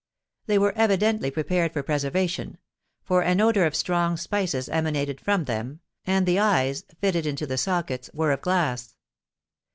They were evidently prepared for preservation; for an odour of strong spices emanated from them, and the eyes, fitted into the sockets, were of glass.